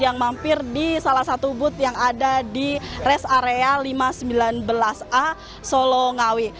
yang mampir di salah satu booth yang ada di rest area lima ratus sembilan belas a solo ngawi